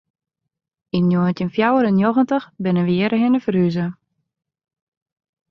Yn njoggentjin fjouwer en njoggentich binne we hjirhinne ferhûze.